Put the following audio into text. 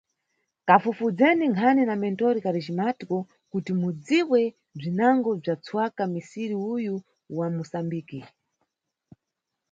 Kafufudzeni nkhani na Mentor Carismático kuti mudziwe bzwinango bzwa tswaka misiri uyu wa Musambiki.